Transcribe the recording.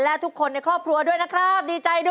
และทุกคนในครอบครัวด้วยนะครับ